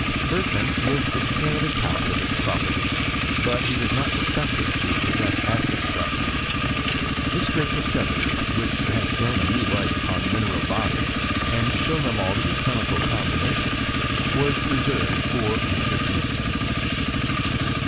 Bergman gives a detailed account of its properties; but he does not suspect it to pos sess acid properties. This great discovery, which has thrown a new light upon mineral bodies, and shown them all to be chemical combiuatioas, waa reserved for Mr. Smithson.